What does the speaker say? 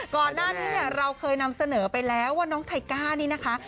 ก่อนหน้านี้เนี่ยเราเคยนำเสนอไปแล้วว่าน้องไทก้านี่นะคะ